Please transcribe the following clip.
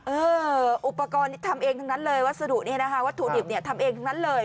เอออุปกรณ์ทำเองทั้งนั้นเลยวัสดุนี่นะคะวัตถุดิบเนี่ยทำเองทั้งนั้นเลย